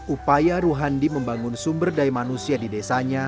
upaya ruhandi membangun sumber daya manusia di desanya